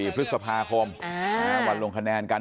พฤษภาคมวันลงคะแนนกัน